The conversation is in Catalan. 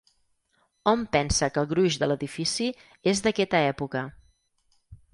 Hom pensa que el gruix de l'edifici és d'aquesta època.